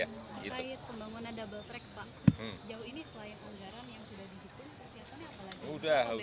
berkait pembangunan double track pak sejauh ini selain anggaran yang sudah dihitung